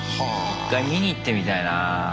１回見に行ってみたいなぁ。